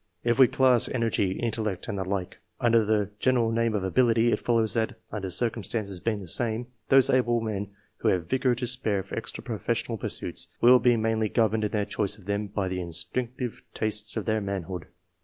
If we class energy, intellect, and the like, under the general name of ability, it follows that, other circumstances being the same, those able men who have vigour to spare for extra pro fessional pursuits, will be mainly governed in the choice of them by the instinctive tastes of their manhood.